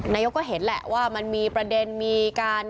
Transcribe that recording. นายกก็เห็นแหละว่ามันมีประเด็นมีการ